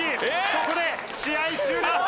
ここで試合終了。